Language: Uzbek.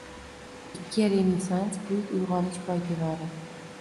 Ikki Renessans — buyuk Uygʻonish poydevori